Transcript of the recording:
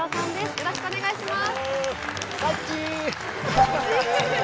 よろしくお願いします。